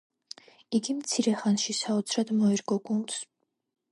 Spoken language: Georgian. იგი მცირე ხანში საოცრად მოერგო გუნდს.